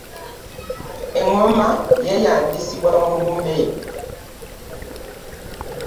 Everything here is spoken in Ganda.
Engoma yeeyambisibwa mu lumbe.